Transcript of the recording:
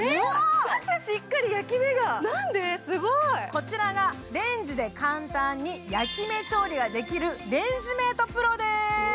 こちらがレンジで簡単に焼き目調理ができるレンジメートプロでーす。